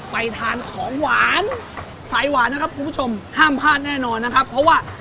ไปทานของหวานสายหวานนะครับคุณผู้ชมห้ามพลาดแน่นอนนะครับเพราะว่า